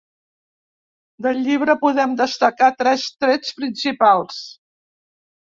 Del llibre podem destacar tres trets principals.